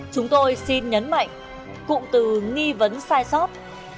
chúng tôi xin nhấn mạnh cụm từ nghi vấn sai sót